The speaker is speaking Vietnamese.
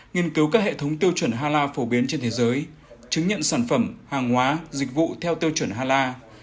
nghiên cứu các hệ thống tiêu chuẩn hà la phổ biến trên thế giới chứng nhận sản phẩm hàng hóa dịch vụ theo tiêu chuẩn hà la